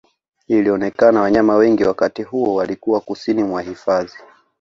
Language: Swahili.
Ilionekana wanyama wengi wakati huo walikuwa kusini mwa hifadhi